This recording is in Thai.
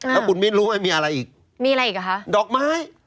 แล้วคุณมิ้นรู้ว่ามีอะไรอีกมีอะไรอีกอ่ะคะดอกไม้